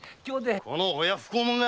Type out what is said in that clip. この親不孝者が！